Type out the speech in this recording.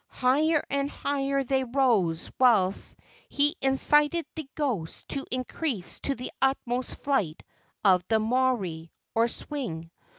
Higher and higher they rose whilst he incited the ghosts to increase to the utmost the flight of the moari, or swing..